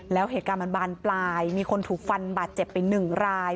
แล้วเหตุการณ์มันบานปลายมีคนถูกฟันบาดเจ็บไปหนึ่งราย